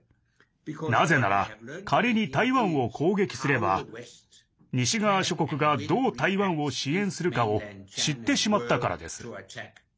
なぜなら仮に台湾を攻撃すれば西側諸国がどう台湾を支援するかを知ってしまったからです。